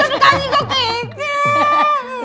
kaki duduk aja di sini